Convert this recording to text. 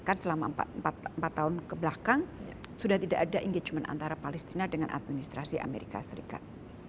kan selama empat tahun kebelakang sudah tidak ada engagement antara palestina dengan administrasi amerika serikat